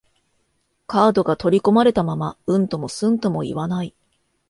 カードが取り込まれたまま、うんともすんとも言わない